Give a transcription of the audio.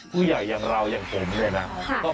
ข้าวมะนุนโท